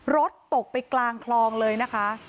รถตกไปกลางคลองเลยนะคะ